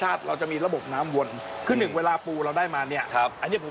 อ๋อเฮ้ยกินปีคล้นออก